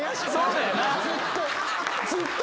ずっと。